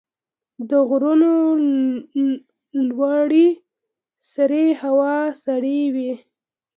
د غرونو لوړې سرې هوا سړې وي.